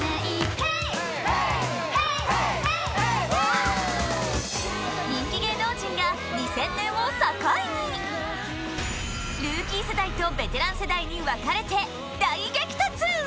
ＨｅｙＨｅｙＨｅｙＡｈ人気芸能人が２０００年を境にルーキー世代とベテラン世代に分かれて大激突